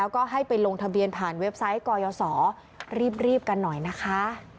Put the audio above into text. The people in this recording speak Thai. ก็ให้ไปลงทะเบียนผ่านเว็บไซต์กยศรีบกันหน่อยนะคะ